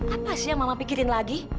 apa sih yang mama pikirin lagi